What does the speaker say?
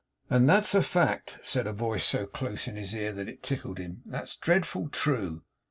'And that's a fact,' said a voice so close in his ear that it tickled him. 'That's dreadful true.